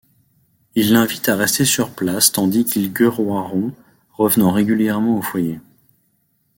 Ils l'invitent à rester sur place tandis qu'ils guerroieront, revenant régulièrement au foyer.